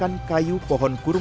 ini adalah tangan guys